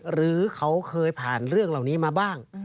หรือเขาเคยผ่านเรื่องเหล่านี้มาบ้าง